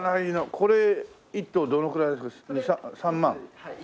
これ１体どのくらいですか？